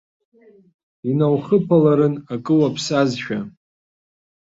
Инаухыԥаларын акы уаԥсазшәа.